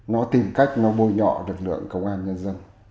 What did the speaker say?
nó tìm cách bôi nhỏ lực lượng công an nhân dân